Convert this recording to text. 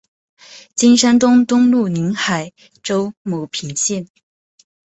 金山东东路宁海州牟平县。